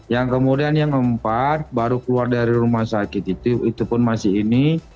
yang kemudian yang keempat baru keluar dari rumah sakit itu itu pun masih ini